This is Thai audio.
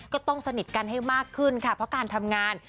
ก็ต้องสนิทกันให้มากขึ้นค่ะเพราะการทำงาน